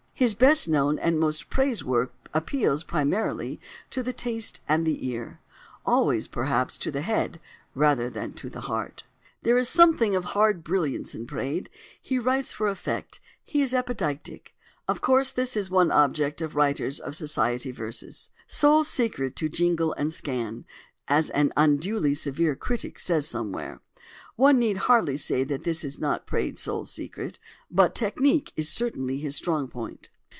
His best known and most praised work appeals, primarily, to the taste and the ear: always, perhaps, to the head rather than to the heart. There is something of "hard brilliance" in Praed: he writes for effect, he is epideictic. Of course, this is one object of writers of "society verses": "Sole secret to jingle and scan," as an unduly severe critic says somewhere. One need hardly say that this is not Praed's sole secret: but technique is certainly his strong point.